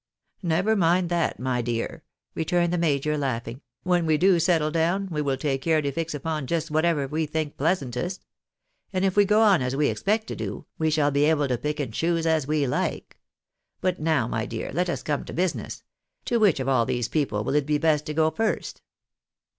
" Never mind that, my dear," returned the major, laughing ; when we do settle down we will take care to fix upon just what ever we think pleasantest ; and if we go on as we expect to do, we 5haU be able to pick and choose as we like. But now, my dear, let us come to business. To which of all these people will it be best to go to first